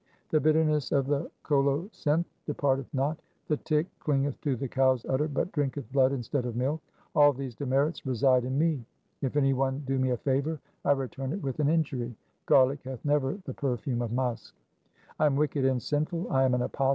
The bitterness of the colo cynth departeth not, the tick clingeth to the cow's udder, but drinketh blood instead of milk. All these demerits reside in me. If any one do me a favour, I return it with an injury. Garlic hath never the perfume of musk. 4 I am wicked and sinful ; I am an apostate and evil, 1 XXXVI.